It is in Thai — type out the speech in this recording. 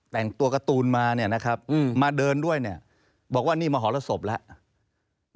แต่งตัวการ์ตูนมาเดินด้วยบอกว่านี่มหรสมแล้ว